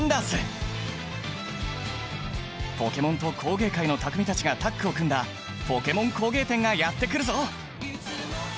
ポケモンと工芸界の匠たちがタッグを組んだポケモン工芸展がやって来るぞ！